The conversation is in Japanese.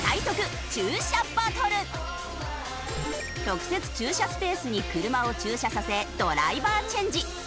特設駐車スペースに車を駐車させドライバーチェンジ。